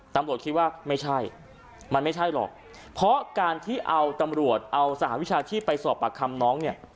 ตำรวจคิดว่าไม่ใช่มันไม่ใช่หรอกเพราะการที่เอาตำรวจเอาสหวิชาชีพไปสอบปากคำน้องเนี่ย